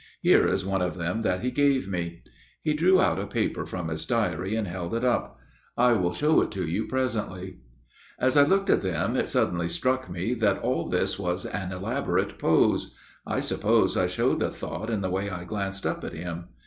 Here is one of them that he gave me." (He drew out a paper from his diary and held it up.) "I will show it you presently. " As I looked at them it suddenly struck me that all this was an elaborate pose. I suppose I showed the thought in the way I glanced up at him.